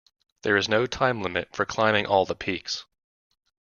There is no time-limit for climbing all the peaks.